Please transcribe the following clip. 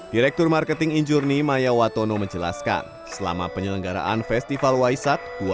direktur marketing injourney maya watono menjelaskan selama penyelenggaraan festival waisak